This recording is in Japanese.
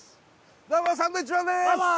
どうもサンドウィッチマンです！